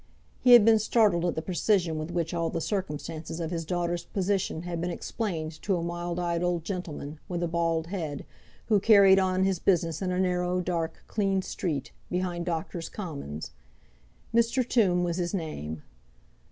He had been startled at the precision with which all the circumstances of his daughter's position had been explained to a mild eyed old gentleman, with a bald head, who carried on his business in a narrow, dark, clean street, behind Doctors' Commons. Mr. Tombe was his name.